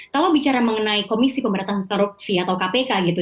kalau bicara mengenai komisi pemberantasan korupsi atau kpk gitu